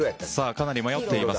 かなり迷っています。